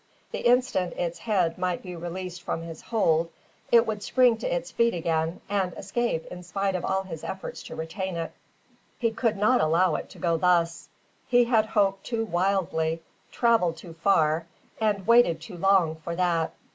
The instant its head might be released from his hold it would spring to its feet again and escape in spite of all his efforts to retain it. He could not allow it to go thus. He had hoped too wildly, travelled too far, and waited too long, for that.